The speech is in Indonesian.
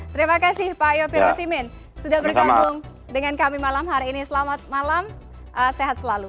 terima kasih pak yopir rosimin sudah bergabung dengan kami malam hari ini selamat malam sehat selalu